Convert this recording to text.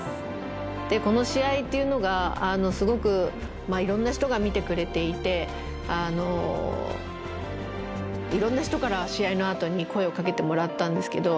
この試合っていうのがすごくいろんな人が見てくれていていろんな人から試合のあとに声をかけてもらったんですけど